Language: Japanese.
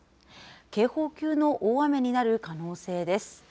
警報級の大雨になる可能性です。